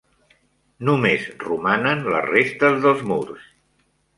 Només romanen les restes dels murs.